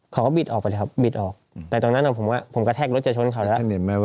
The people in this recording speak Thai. เขาก็บิดออกไปครับแต่ตอนนั้นผมก็แค่กลดเจอชนเขาคนแล้ว